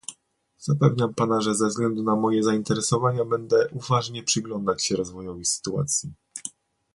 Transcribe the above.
Zapewniam Pana, że ze względu na moje zainteresowania, będę uważnie przyglądać się rozwojowi sytuacji